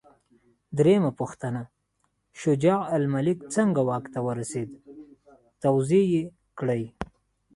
درېمه پوښتنه: شجاع الملک څنګه واک ته ورسېد؟ توضیح یې کړئ.